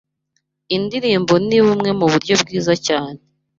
Indirimbo ni bumwe mu buryo bwiza cyane